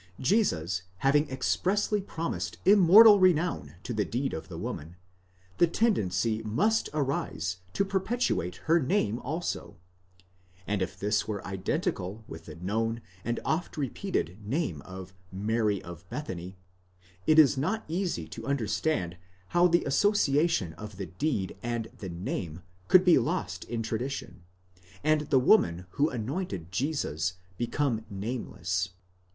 Jesus having expressly promised immortal renown to the deed of the woman, the tendency must arise to perpetuate her name also, and if this were identical with the known and oft repeated name of Mary of Bethany, it is not easy to understand how the association of the deed and the name could be lost in tradition, and the woman who anointed Jesus become nameless.